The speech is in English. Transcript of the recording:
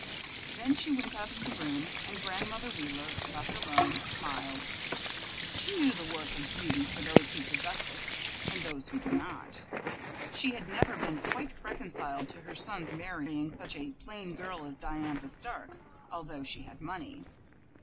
Then she went out of the room, and Grandmother Wheeler, left alone, smiled. She knew the worth of beauty for those who possess it and those who do not. She had never been quite reconciled to her son's marrying such a plain girl as Diantha Stark, although she had money.